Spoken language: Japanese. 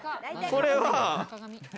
これは。